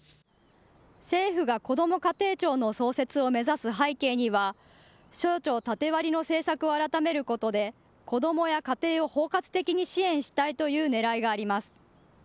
政府がこども家庭庁の創設を目指す背景には省庁縦割りの政策を改めることで子どもや家庭を包括的に支援したいというねらいがあります。